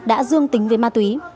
đã dương tính với ma túy